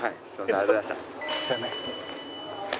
ありがとうございます。